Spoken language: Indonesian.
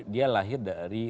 dia lahir dari